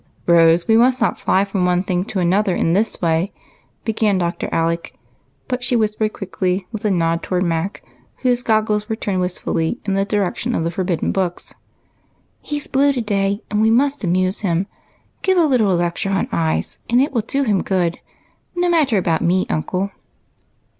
Rose, we must not fly about from one thing to another in this way," began Dr. Alec ; but she whis pered quickly, with a nod towards Mac, whose goggles were turned wistfully in the direction of the forbidden books, —" He 's blue to day, and we must amuse him ; give a little lecture on eyes, and it will do him good. IS^o matter about me, uncle."